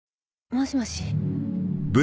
もしもし？